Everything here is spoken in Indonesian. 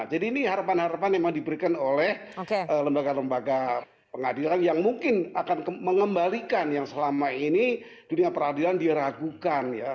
jadi ini harapan harapan yang diberikan oleh lembaga lembaga pengadilan yang mungkin akan mengembalikan yang selama ini dunia peradilan diragukan ya